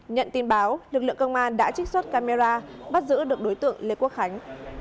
nhận tin báo lực lượng công an đã trích xuất camera bắt giữ được đối tượng lê quốc khánh